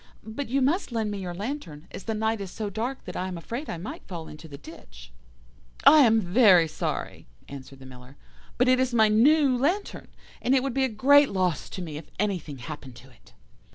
But you must lend me your lantern, as the night is so dark that I am afraid I might fall into the ditch.' "'I am very sorry,' answered the Miller, 'but it is my new lantern, and it would be a great loss to me if anything happened to it.